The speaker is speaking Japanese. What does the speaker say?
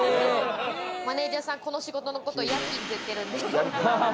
マネジャーさん、この仕事のこと夜勤って言ってるんで。